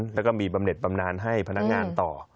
แล้วก็มีบำเน็ตบำนานให้พนักงานต่อ